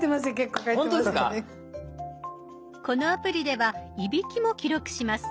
このアプリでは「いびき」も記録します。